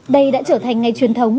đây đã trở thành ngày truyền thống